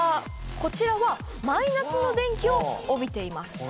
こちらはマイナスの電気を帯びています。